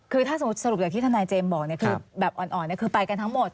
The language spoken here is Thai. คือถ้าสมมุติสรุปอย่างที่ทนายเจมส์บอกคือแบบอ่อนคือไปกันทั้งหมด